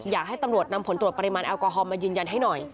อยากให้ตำรวจนำผลตรวจปริมาณแอลกอฮอลมายืนยันให้หน่อย